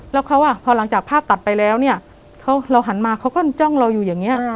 แล้วเขาพอหลังจากภาพตัดไปแล้วเนี่ยเราหันมาเขาก็จ้องเราอยู่อย่างนี้